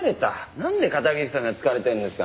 なんで片桐さんが疲れてるんですか。